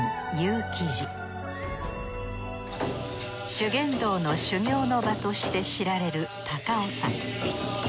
修験道の修行の場として知られる高尾山。